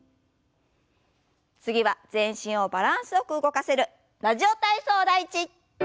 次は全身をバランスよく動かせる「ラジオ体操第１」。